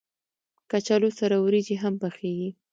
کچالو سره وريجې هم پخېږي